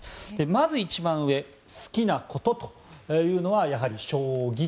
まず一番上好きなことというのはやはり将棋。